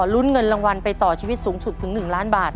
ลุ้นเงินรางวัลไปต่อชีวิตสูงสุดถึง๑ล้านบาท